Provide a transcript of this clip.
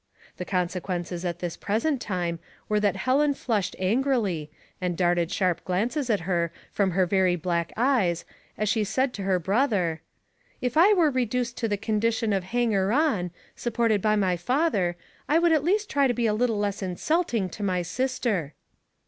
The consequences at this present time were that Helen flushed angrily, and darted sharp glances at her from her very black eyes as she said to her brother, —" If I were reduced to the condition of hanger on, supported by my father, I would at least try io be a little less insulting to my sister."